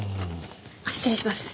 あっ失礼します。